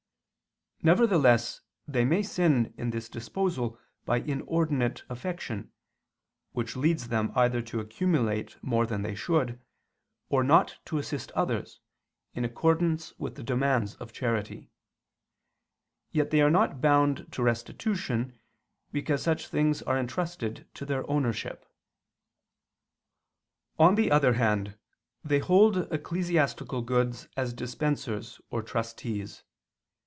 Nevertheless they may sin in this disposal by inordinate affection, which leads them either to accumulate more than they should, or not to assist others, in accordance with the demands of charity; yet they are not bound to restitution, because such things are entrusted to their ownership. On the other hand, they hold ecclesiastical goods as dispensers or trustees.